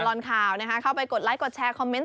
ตลอดข่าวนะคะเข้าไปกดไลค์กดแชร์คอมเมนต